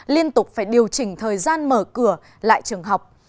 liên tục phải điều chỉnh thời gian mở cửa lại trường học